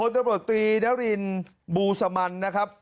นะครับพตนบู๋สมันนะครับ